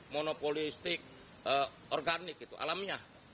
monopoli stik organik gitu alamnya